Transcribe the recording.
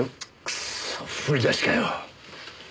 チックソ振り出しかよ。